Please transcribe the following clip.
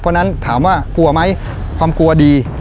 เพราะฉะนั้นถามว่ากลัวไหมความกลัวดี